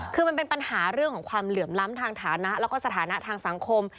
คือมันเป็นปัญหาเรื่องของความเหลื่อมล้ำทางฐานะแล้วก็สถานะทางสังคม